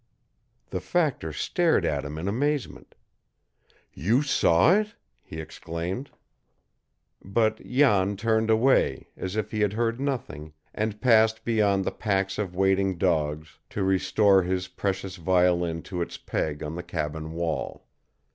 The factor stared at him in amazement. "You saw it?" he exclaimed. But Jan turned away, as if he had heard nothing, and passed beyond the packs of waiting dogs to restore his precious violin to its peg on the cabin wall.